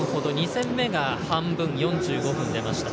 ２戦目が半分、４５分で出ました。